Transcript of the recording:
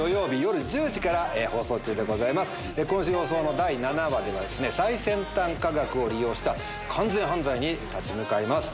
今週放送の第７話では最先端科学を利用した完全犯罪に立ち向かいます。